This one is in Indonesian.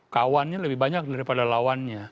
kawannya lebih banyak daripada lawannya